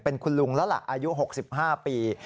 เป็นคุณลุงแล้วล่ะอายุ๖๕ปี